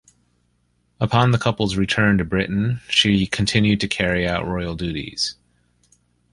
Upon the couple's return to Britain, she continued to carry out royal duties.